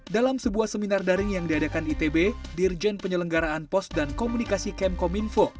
dalam sebuah seminar daring yang diadakan itb dirjen penyelenggaraan pos dan komunikasi kemkominfo